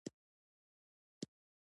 ميرويس خان د مني په اولو کې مکې ته ورسېد.